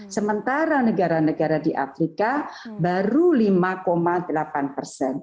sementara negara negara di afrika baru lima delapan persen